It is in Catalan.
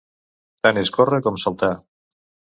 Tant és córrer com saltar.